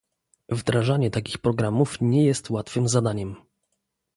Wdrażanie takich programów nie jest łatwym zadaniem